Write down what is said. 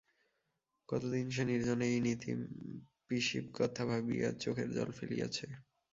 কতদিন সে নির্জনে এই নিতম পিসিব কথা ভাবিয়া চোখের জল ফেলিয়াছে!